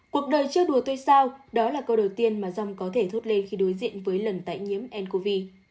cuộc đời chưa đùa tuy sao đó là câu đầu tiên mà de jong có thể thốt lên khi đối diện với lần tải nhiễm ncov